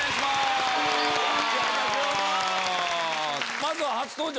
まずは初登場